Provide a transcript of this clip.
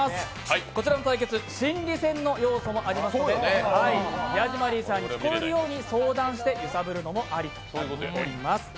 こちらの対決、心理戦の要素もありますのでヤジマリーさんに聞こえるように相談して揺さぶるのもありだと思います。